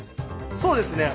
そうですね。